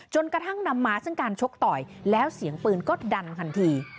จนกระทั่งนำมาซึ่งการชกต่อยแล้วเสียงปืนก็ดันทันที